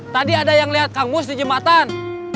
tadi ada yang lihat kang mus di jembatan